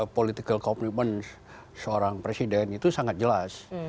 political commitment seorang presiden itu sangat jelas